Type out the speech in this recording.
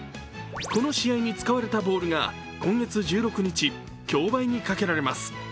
この試合に使われたボールが今月１６日、競売にかけられます。